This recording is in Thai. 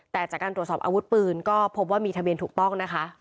แต่จากการตรวจสอบอาวุธปืนก็พบว่ามีทะเบียนถูกต้องนะคะ